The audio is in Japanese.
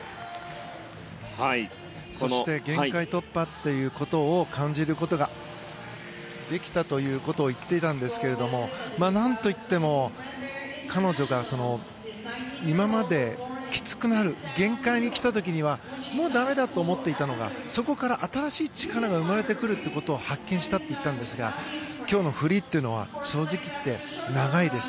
そして限界突破ということを感じることができたということを言っていたんですけれどなんといっても彼女が今まで、きつくなる限界にきた時にはもう駄目だと思っていたのがそこから新しい力が生まれてくるということを発見したといったんですが今日のフリーというのは正直言って、長いです。